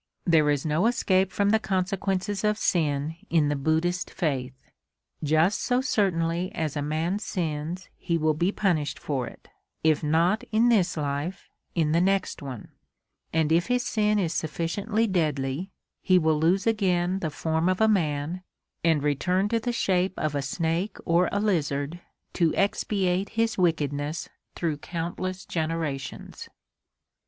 There is no escape from the consequences of sin in the Buddhist faith. Just so certainly as a man sins he will be punished for it if not in this life in the next one and if his sin is sufficiently deadly he will lose again the form of a man and return to the shape of a snake or a lizard to expiate his wickedness through countless generations.